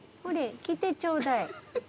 ほれ来てちょうだい。